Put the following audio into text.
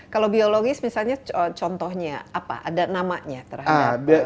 kalau biologis misalnya contohnya apa ada namanya terhadap